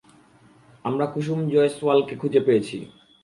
আমরা কুসুম জয়সওয়ালকে খুঁজে পেয়েছি।